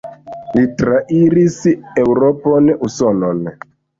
Li trairis Eŭropon, Usonon.